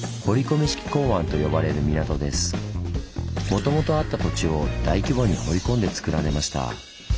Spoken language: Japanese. もともとあった土地を大規模に掘り込んでつくられました。